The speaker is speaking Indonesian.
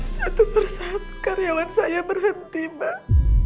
satu persatu karyawan saya berhenti mbak